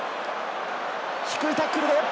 低いタックル。